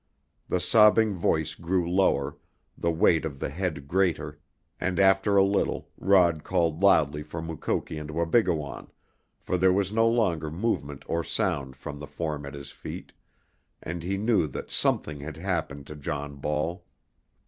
The sobbing voice grew lower, the weight of the head greater, and after a little Rod called loudly for Mukoki and Wabigoon, for there was no longer movement or sound from the form at his feet, and he knew that something had happened to John Ball.